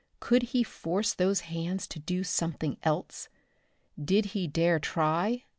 Could he force those hands to something else? Did he dare try?